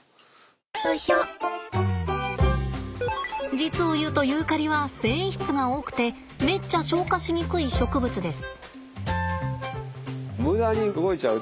実を言うとユーカリは繊維質が多くてめっちゃ消化しにくい植物です。